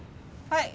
はい。